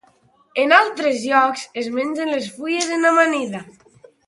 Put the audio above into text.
En altres llocs es mengen les fulles en amanida.